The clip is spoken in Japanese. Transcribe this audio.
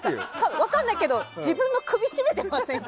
分からないけど自分の首絞めてませんか。